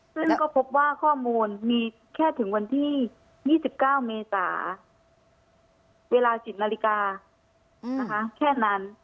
ซึ่งก็พบว่าข้อมูลมีแค่ถึงวันที่๒๙เมษาเวลา๑๐นาฬิกานะคะแค่นั้น